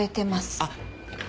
あっ。